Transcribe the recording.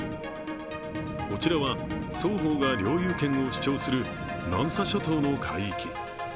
こちらは、双方が領有権を主張する南沙諸島の海域。